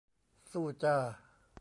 สู้จ้า